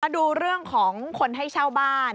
ดูเรื่องของคนให้เช่าบ้าน